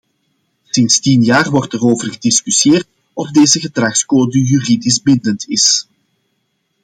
Sinds tien jaar wordt erover gediscussieerd of deze gedragscode juridisch bindend is.